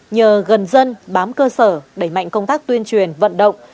nhờ gần dân bám cơ sở đẩy mạnh công tác tuyên truyền vận động